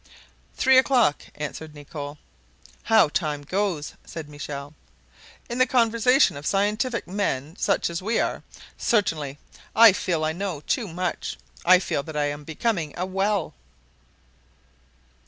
"Three o'clock," answered Nicholl. "How time goes," said Michel, "in the conversation of scientific men such as we are! Certainly, I feel I know too much! I feel that I am becoming a well!"